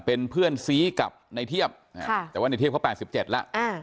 เป็นเพื่อนซีกับในเทียบค่ะแต่ว่าในเทียบเขาแปดสิบเจ็ดแล้วอ่า